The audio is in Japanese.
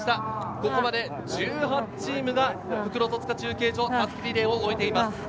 ここまで１８チームが復路・戸塚中継所、襷リレーを得ています。